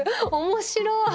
面白い。